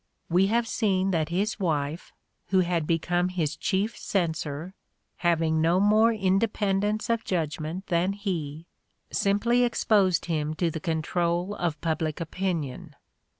We have seen that his wife, who had become his chief cen sor, having no more independence of judgment than he, simply exposed him to the control of public opinion.